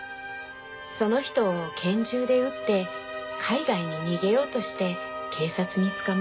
その人を拳銃で撃って海外に逃げようとして警察に捕まって。